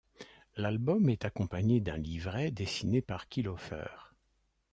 L'album est accompagné d'un livret dessiné par Killofer.